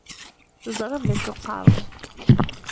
Teẓriḍ d acu qqaren.